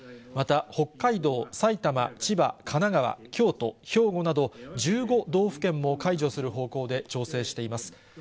また、北海道、埼玉、千葉、神奈川、京都、兵庫など、１５道府県も解除する方向で調整しています。